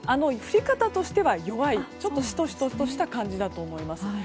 降り方としては弱いしとしととした感じだと思います。